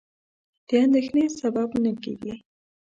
د اندېښنې سبب نه کېږي.